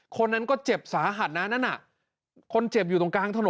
คนนั้นก็เจ็บสาหัสนะนั่นน่ะคนเจ็บอยู่ตรงกลางถนน